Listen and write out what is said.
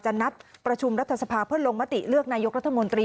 นัดประชุมรัฐสภาเพื่อลงมติเลือกนายกรัฐมนตรี